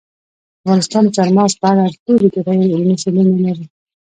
افغانستان د چار مغز په اړه ډېرې ګټورې علمي څېړنې لري.